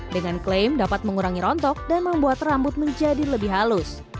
dengan klaim dapat mengurangi rontok dan membuat rambut menjadi lebih halus